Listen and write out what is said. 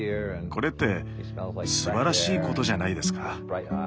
これってすばらしいことじゃないですか。